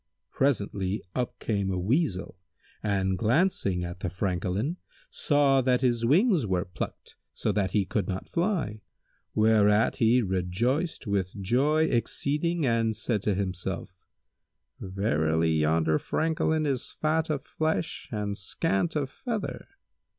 Presently up came a Weasel[FN#168] and glancing at the Francolin, saw that his wings were plucked, so that he could not fly, whereat he rejoiced with joy exceeding and said to himself, "Verily yonder Francolin is fat of flesh and scant of feather."